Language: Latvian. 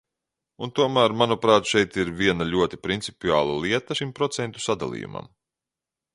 Un tomēr, manuprāt, šeit ir arī viena ļoti principiāla lieta šim procentu sadalījumam.